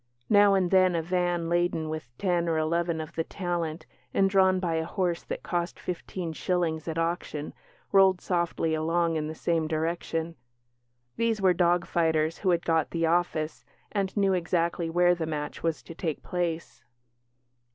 Now and then a van, laden with ten or eleven of "the talent", and drawn by a horse that cost fifteen shillings at auction, rolled softly along in the same direction. These were dog fighters who had got "the office", and knew exactly where the match was to take place.